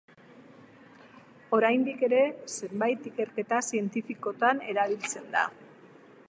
Oraindik ere zenbait ikerketa zientifikotan erabiltzen da.